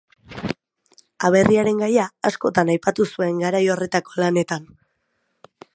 Aberriaren gaia askotan aipatu zuen garai horretako lanetan.